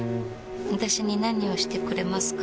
私に何をしてくれますか？